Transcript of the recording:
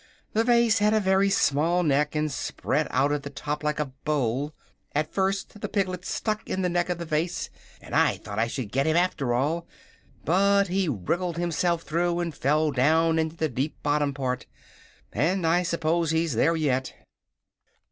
The vase had a very small neck, and spread out at the top like a bowl. At first the piglet stuck in the neck of the vase and I thought I should get him, after all, but he wriggled himself through and fell down into the deep bottom part and I suppose he's there yet."